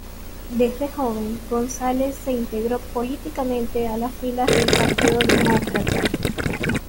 Desde joven Gonzales se integró políticamente a las filas del Partido Demócrata.